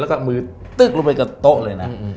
แล้วก็มือตึ๊กลงไปกับโต๊ะเลยนะ